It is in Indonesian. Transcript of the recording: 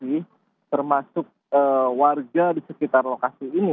untuk selain itu pihak kepolisian juga telah melakukan sebanyak pemeriksaan